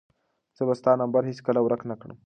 زه به ستا نمبر هیڅکله ورک نه کړم.